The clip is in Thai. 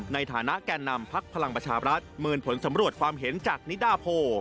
ในฐานะแก่นำพักพลังประชาบรัฐเมินผลสำรวจความเห็นจากนิดาโพ